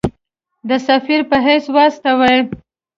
د سفیر په حیث واستاوه.